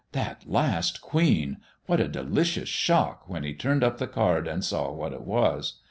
That last queen! What a delicious shock when he turned up the card and saw what it was!